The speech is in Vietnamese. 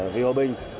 vì hòa bình